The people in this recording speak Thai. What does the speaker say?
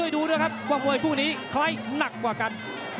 ดูด้วยครับความเว่ยผู้หนีใครหนักกว่ากัน